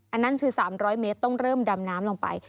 อันนั้นคือ๓๐๐เมตรต้องเริ่มดำน้ำลงไป